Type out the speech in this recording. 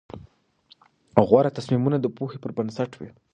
غوره تصمیمونه د پوهې پر بنسټ وي.